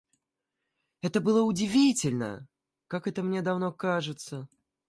Это было удивительно... Как это мне давно кажется!